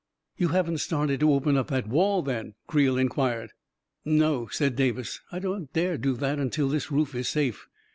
"You haven't started to open up that wall, then? " Creel inquired. " No," said Davis; " I don't dare do that till this roof is safe."